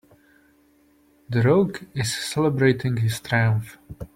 The rogue is celebrating his triumph.